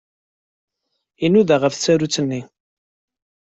Inuda ɣef tsarut-nni.